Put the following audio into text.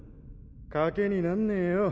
賭けになんねぇよ。